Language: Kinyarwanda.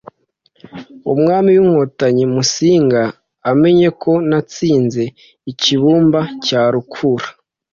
Umwami w'Inkotanyi Musinga amenye ko natsinze icyibumba cya Rukura,